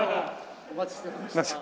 お待ちしておりました。